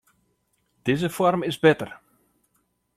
Dizze foarm is better.